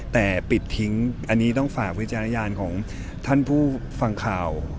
แต่ปิดทิ้งอันนี้ต้องฝากวิจารณญาณของท่านผู้ฟังข่าว